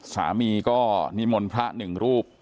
สามีก็นิมนต์พระหนึ่งรูป